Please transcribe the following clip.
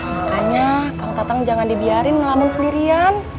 makanya kang tatang jangan dibiarin ngelamin sendirian